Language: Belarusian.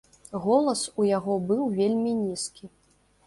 Голас у яго быў вельмі нізкі.